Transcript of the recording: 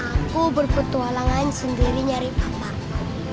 aku berpetualangan sendiri nyari papan